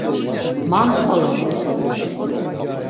Man mqoropt̆u.